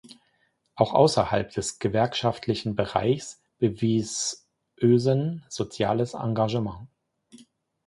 Auch außerhalb des gewerkschaftlichen Bereichs bewies Özen soziales Engagement.